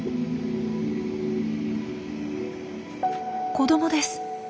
子どもです。